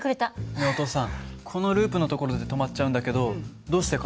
ねえお父さんこのループの所で止まっちゃうんだけどどうしてかな？